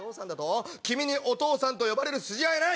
君にお父さんと呼ばれる筋合いはない！